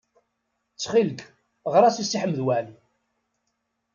Ttxil-k, ɣer-as i Si Ḥmed Waɛli.